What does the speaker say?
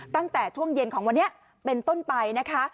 ตั้งแต่ช่วงเย็นของวันนี้เป็นต้นไปนะคะ